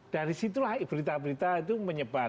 dari situlah berita berita itu menyebar